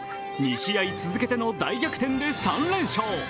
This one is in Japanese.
２試合続けての大逆転で３連勝。